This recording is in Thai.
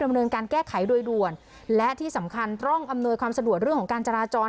ดำเนินการแก้ไขโดยด่วนและที่สำคัญต้องอำนวยความสะดวกเรื่องของการจราจร